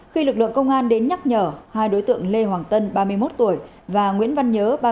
khi lực lượng công an đến nhắc nhở hai đối tượng lê hoàng tân ba mươi một tuổi và nguyễn văn nhớ